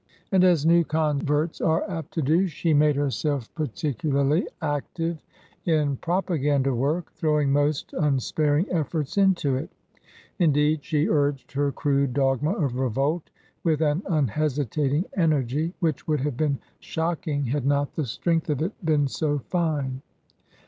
And as new converts are apt to do, she made herself TRANSITION, 263 particularly active in propaganda work, throwing most unsparing efforts into it Indeed, she urged her crude dogma of revolt with an unhesitating energy which would have been shocking had not the strength of it been so fine.